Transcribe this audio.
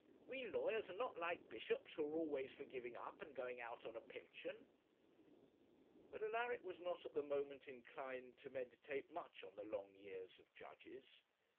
We lawyers are not like bishops, who are always for giving up, and going out on a pension.' But Alaric was not at the moment inclined to meditate much on the long years of judges.